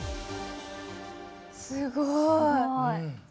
すごい。